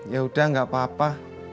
ya udah nggak apa apa